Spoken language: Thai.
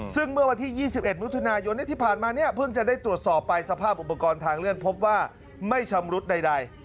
ซึ่งเมื่อวันที่๒๑มิถุนายนที่ผ่านมาเนี่ยเพิ่งจะได้ตรวจสอบไปสภาพอุปกรณ์ทางเลื่อนพบว่าไม่ชำรุดใด